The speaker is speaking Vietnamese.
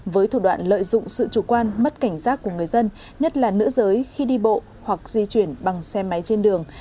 với thủ đoạn lợi dụng sự chủ quan mất cảnh giác của người dân nhất là nữ giới khi đi bộ hoặc di chuyển bằng xe máy trên đường